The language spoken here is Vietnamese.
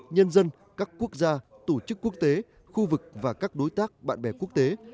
nhân dân các quốc gia tổ chức quốc tế khu vực và các đối tác bạn bè quốc tế